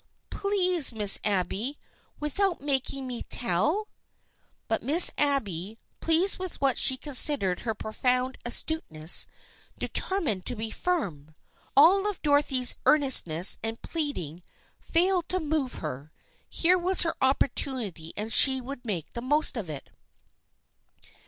Please, Miss Abby, without making me tell !" But Miss Abby, pleased with what she considered her profound astuteness, determined to be firm. All of Dorothy's earnestness and pleading failed to move her. Here was her opportunity and she would make the most of it.